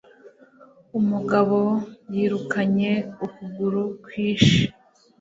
umugabo yirukanye ukuguru kwinshi